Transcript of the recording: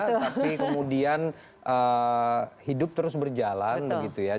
tapi kemudian hidup terus berjalan begitu ya